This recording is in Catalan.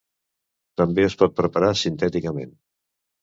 També es pot preparar sintèticament.